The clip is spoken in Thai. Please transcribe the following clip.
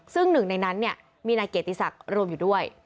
ซึ่งหนึ่งในนั้นมีนายเกียรติศักดิ์รวมอยู่ด้วย